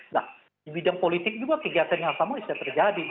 nah di bidang politik juga kegiatan yang sama bisa terjadi